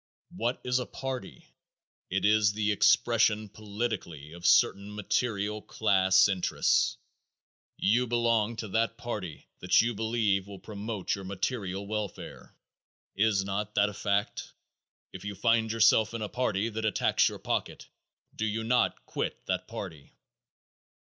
What is a party? It is the expression politically of certain material class interests. You belong to that party that you believe will promote your material welfare. Is not that a fact? If you find yourself in a party that attacks your pocket do you not quit that party?